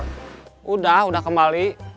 sudah sudah kembali